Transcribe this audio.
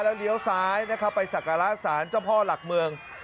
ไปเดี๋ยวซ้ายไปสักการาศาลเจ้าพ่อหลักเมือง